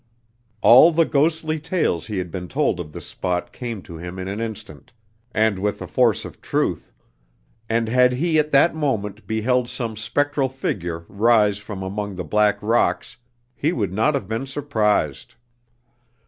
All the ghostly tales he had been told of this spot came to him in an instant and with the force of truth, and had he at that moment beheld some spectral figure rise from among the black rocks he would not have been surprised.